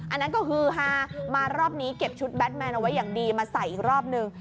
อันนั้นก็คือฮามารอบนี้เก็บชุดแบทแมนเอาไว้อย่างดีมาใส่อีกรอบนึง